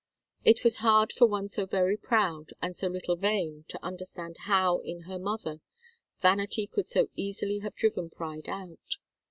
It was hard for one so very proud and so little vain to understand how, in her mother, vanity could so easily have driven pride out.